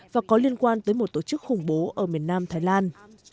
và có liên quan tới một tổ chức khủng bố ở miền nam thái lan